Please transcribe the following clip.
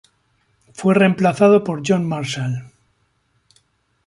Fue reemplazado por John Marshall.